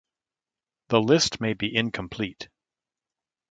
The list may be incomplete.